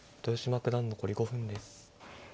豊島九段残り５分です。